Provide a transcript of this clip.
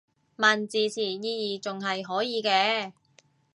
問字詞意義仲係可以嘅